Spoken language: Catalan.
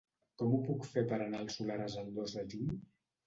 Com ho puc fer per anar al Soleràs el dos de juny?